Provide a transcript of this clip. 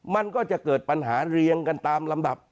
มันก็จะเกิดปัญหาเรียงกันตามลำดับ